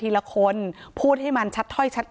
การแก้เคล็ดบางอย่างแค่นั้นเอง